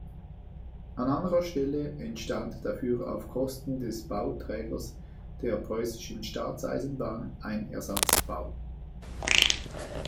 An anderer Stelle entstand dafür auf Kosten des Bauträgers, der Preußischen Staatseisenbahn, ein Ersatzbau.